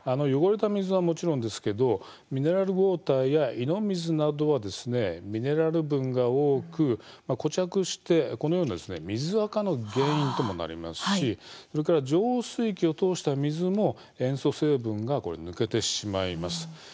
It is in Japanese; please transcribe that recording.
汚れた水はもちろんですけれどもミネラルウォーターや井戸水などはミネラル分が多く固着して、このような水あかの原因ともなりますしそれから浄水器を通した水も塩素成分が抜けてしまいます。